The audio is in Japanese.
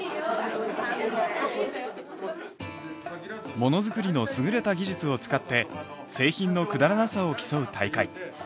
もの作りの優れた技術を使って製品のくだらなさを競う大会。